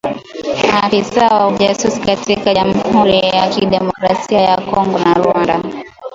maafisa wa ujasusi kati ya jamhuri ya kidemokrasia ya Kongo na Rwanda